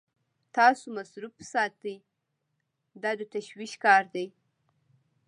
تاسو مصروف ساتي دا د تشویش کار دی.